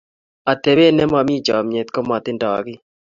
Atepet nemomi chomyet komatindo kit